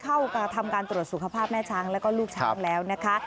เข้าทำการตรวจสุขภาพแม่ช้างแล้วก็ลูกช้างแล้วนะคะ